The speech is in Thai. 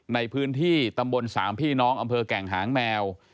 ในพื้นที่ตำบลสามพี่น้องอำเภอแก่งหางแมว